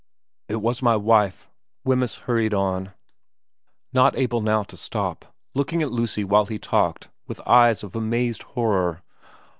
* It was my wife,' Wemyss hurried on, not able now n VERA 17 to stop, looking at Lucy while he talked with eyes of amazed horror.